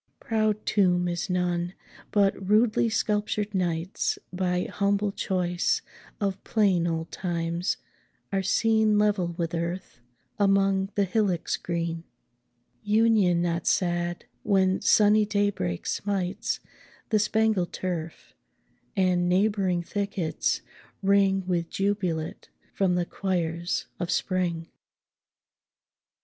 Proud tomb is none; but rudely sculptured knights, By humble choice of plain old times, are seen 10 Level with earth, among the hillocks green: Union not sad, when sunny daybreak smites The spangled turf, and neighbouring thickets ring With jubilate from the choirs of spring!